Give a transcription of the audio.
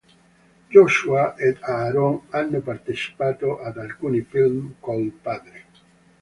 Joshua ed Aaron hanno partecipato ad alcuni film col padre.